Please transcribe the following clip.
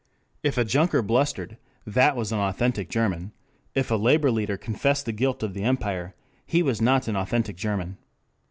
If a junker blustered, that was an authentic German; if a labor leader confessed the guilt of the empire, he was not an authentic German.